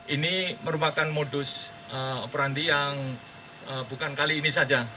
ini merupakan modus peranti yang bukan kali ini